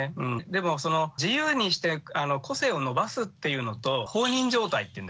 でも自由にして個性を伸ばすっていうのと放任状態っていうんですかね